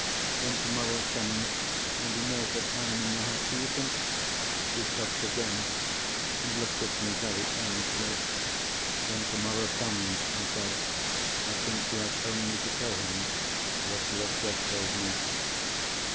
When tomorrow comes, and he knows that I am in the house, do you think——" She stopped again, and looked at me very earnestly. "When tomorrow comes," I said, "I think you have only to tell him what you have just told me."